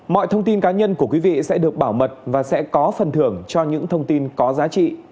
mọi thông tin cá nhân của quý vị sẽ được bảo mật và sẽ có phần thưởng cho những thông tin có giá trị